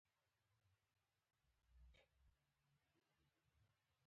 ـ د وږي نظر په دستر خوان وي.